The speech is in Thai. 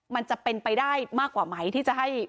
มันจะเป็นไปได้มากกว่าไหมที่จะให้